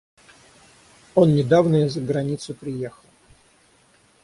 Он недавно из-за границы приехал.